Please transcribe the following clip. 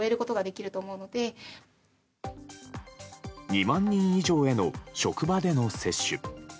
２万人以上への職場での接種。